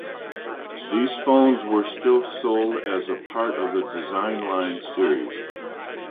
These phones were still sold as a part of the Design Line series.